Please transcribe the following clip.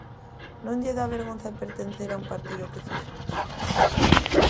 ¿Non lle dá vergonza pertencer a un partido que fixo iso?